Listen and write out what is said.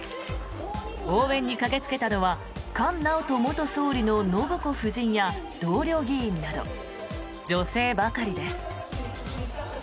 応援に駆けつけたのは菅直人元総理の伸子夫人や同僚議員など女性ばかりです。